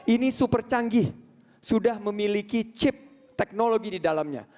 ini super canggih sudah memiliki chip teknologi di dalamnya